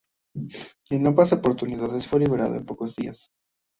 En ambas oportunidades fue liberado a los pocos días.